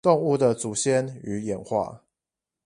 動物的祖先與演化